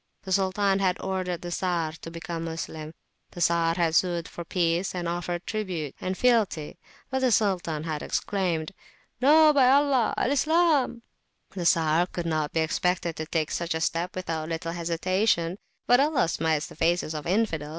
The Sultan had ordered the Czar to become a Moslem. The Czar had sued for peace, and offered tribute and fealty. But the Sultan had exclaimed "No, by Allah! Al Islam!" [p.292] The Czar could not be expected to take such a step without a little hesitation, but "Allah smites the faces of the Infidels!"